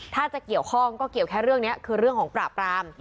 ถ้าจะเกี่ยวข้องก็เกี่ยวแค่เรื่องนี้คือเรื่องของปราบราม